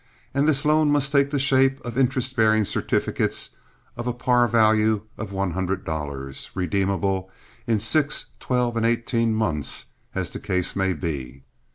And this loan must take the shape of interest bearing certificates of a par value of one hundred dollars, redeemable in six, twelve, or eighteen months, as the case may be.